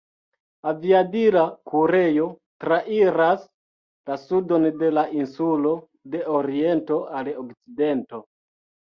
Aviadila kurejo trairas la sudon de la insulo de oriento al okcidento.